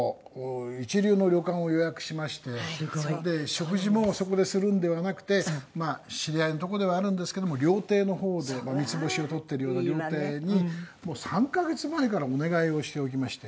食事もそこでするんではなくてまあ知り合いのとこではあるんですけども料亭の方で三つ星を取ってるような料亭にもう３カ月前からお願いをしておきまして。